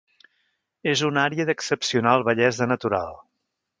És una àrea d'excepcional bellesa natural.